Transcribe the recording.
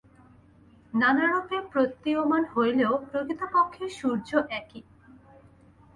নানারূপে প্রতীয়মান হইলেও প্রকৃতপক্ষে সূর্য একই।